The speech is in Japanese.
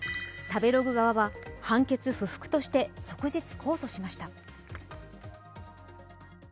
食べログ側は、判決不服として即日控訴しました。